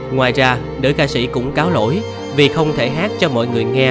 ngoài ra đứa ca sĩ cũng cáo lỗi vì không thể hát cho mọi người nghe ngay lúc ấy